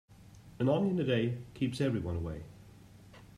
An onion a day keeps everyone away.